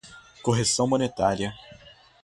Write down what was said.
correção monetária